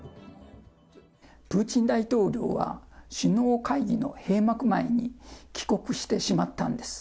プーチン大統領は首脳会議の閉幕前に帰国してしまったんです。